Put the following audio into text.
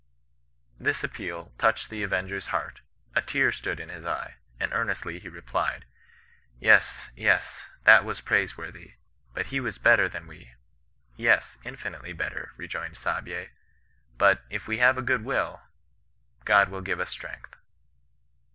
" This appeal touched the avenger's heart ; a tear stood in his eye ; and earnestly he replied, * Yes, yes, that was praiseworthy ; but he was better than we. * Yes, infi nitely better,' rejoined Saabye ;* but, if we have a good will, God will give us strength.